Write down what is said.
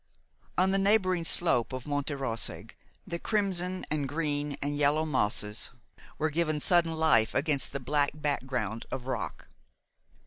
On the neighboring slope of Monte Roseg the crimson and green and yellow mosses were given sudden life against the black background of rock.